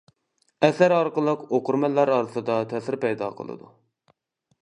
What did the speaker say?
ئەسەر ئارقىلىق ئوقۇرمەنلەر ئارىسىدا تەسىر پەيدا قىلىدۇ.